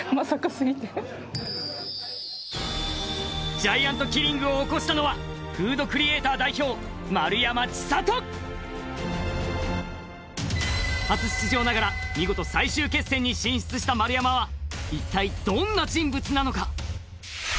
ジャイアントキリングを起こしたのは初出場ながら見事最終決戦に進出した丸山はいったいどんな人物なのか？